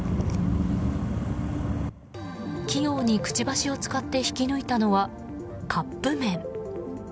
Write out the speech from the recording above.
器用にくちばしを使って引き抜いたのは、カップ麺。